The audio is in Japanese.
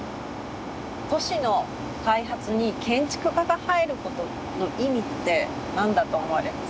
都市の開発に建築家が入ることの意味って何だと思われます？